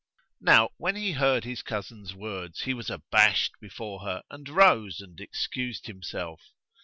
Now when he heard his cousin's words, he was abashed before her and rose and excused himself.